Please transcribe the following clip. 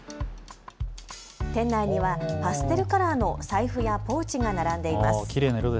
店内にはパステルカラーの財布やポーチが並んでいます。